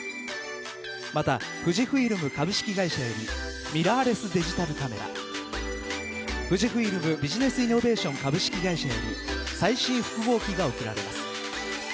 また富士フイルム株式会社よりミラーレスデジタルカメラ富士フイルムビジネスイノベーション株式会社より最新複合機が贈られます。